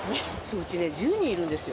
うちね、１０人いるんですよ。